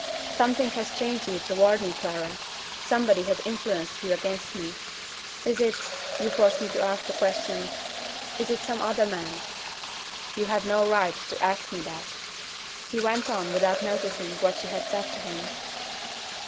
"Something has changed you toward me, Clara. Somebody has influenced you against me. Is it you force me to ask the question is it some other man?" "You have no right to ask me that." He went on without noticing what she had said to him.